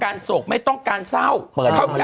ขายหนังเรื่องผีเรื่องสางไม่เอาขายหนังเรื่องตลกโปรกคราบ